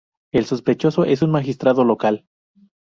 El sospechoso es un magistrado local.